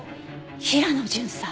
平野巡査。